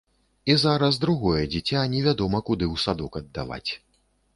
І зараз другое дзіця невядома куды ў садок аддаваць.